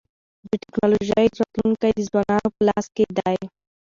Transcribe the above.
د ټکنالوژی راتلونکی د ځوانانو په لاس کي دی.